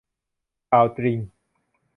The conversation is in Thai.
ข่าวจริง